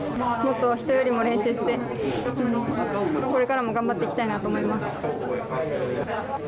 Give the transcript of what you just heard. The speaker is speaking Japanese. もっと人よりも練習してこれからも頑張っていきたいなと思います。